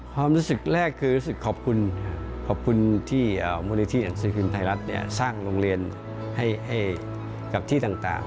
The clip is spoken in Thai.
ความรู้สึกแรกคือรู้สึกขอบคุณขอบคุณที่มหาวิทยาศาสตร์สร้างโรงเรียนให้กับที่ต่าง